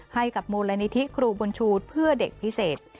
ให้กับมูลนิธิครูบุญชูเพื่อเด็กพิเศษ